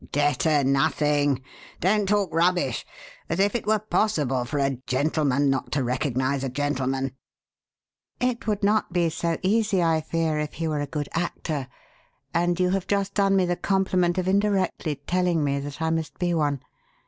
"Debtor nothing! Don't talk rubbish. As if it were possible for a gentleman not to recognize a gentleman!" "It would not be so easy, I fear, if he were a good actor and you have just done me the compliment of indirectly telling me that I must be one.